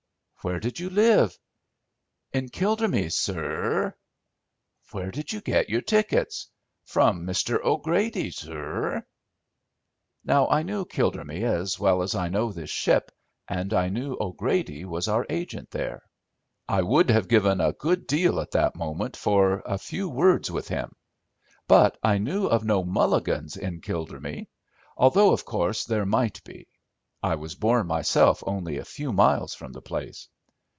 "Where did you live?" "In Kildormey, sur." "Where did you get your tickets?" "From Mr. O'Grady, sur." Now, I knew Kildormey as well as I know this ship, and I knew O'Grady was our agent there. I would have given a good deal at that moment for a few words with him. But I knew of no Mulligans in Kildormey, although, of course, there might be. I was born myself only a few miles from the place.